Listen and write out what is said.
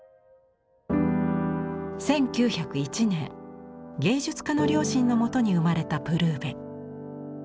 １９０１年芸術家の両親のもとに生まれたプルーヴェ。